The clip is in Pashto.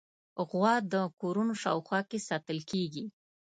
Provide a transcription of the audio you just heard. غوا د کورونو شاوخوا کې ساتل کېږي.